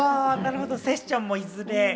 セッションもいずれ。